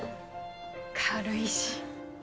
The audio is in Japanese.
軽いし。